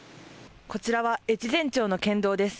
こちらは越前町の県道です。